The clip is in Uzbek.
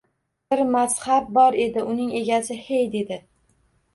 Bir mazhab bor edi, uning egasi Hey dedi